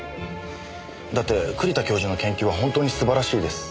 だって栗田教授の研究は本当に素晴らしいです。